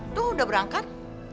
itu udah berangkat